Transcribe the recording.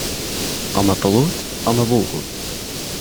Home pelut, home volgut.